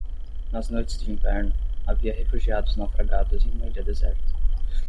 Nas noites de inverno, havia refugiados naufragados em uma ilha deserta.